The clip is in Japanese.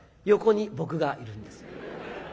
横に僕がいるんです。